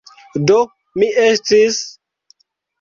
Do mi estis...